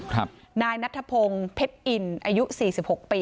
ครับนายนัททะพงเพ็บอินอายุสี่สิบหกปี